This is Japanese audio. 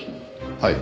はい。